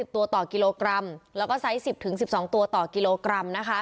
ตัวต่อกิโลกรัมแล้วก็ไซส์๑๐๑๒ตัวต่อกิโลกรัมนะคะ